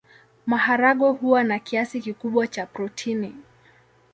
Maharagwe huwa na kiasi kikubwa cha protini.